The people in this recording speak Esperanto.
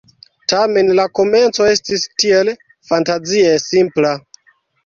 Tamen, la komenco estis tiel fantazie simpla...